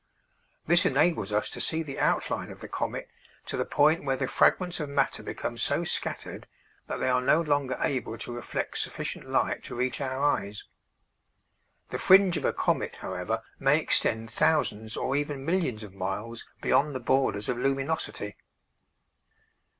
This enables us to see the outline of the comet to the point where the fragments of matter become so scattered that they are no longer able to reflect sufficient light to reach our eyes. The fringe of a comet, however, may extend thousands or even millions of miles beyond the borders of luminosity.